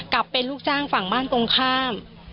เป็นลูกจ้างฝั่งบ้านตรงข้าม